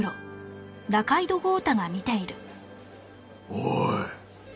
おい！